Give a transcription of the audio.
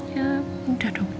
ya mudah dong